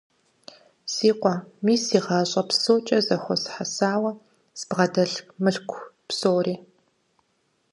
Си къуэ, мис си гъащӀэ псокӀэ зэхуэсхьэсауэ збгъэдэлъ мылъку псори.